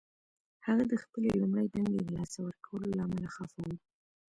هغه د خپلې لومړۍ دندې د لاسه ورکولو له امله خفه و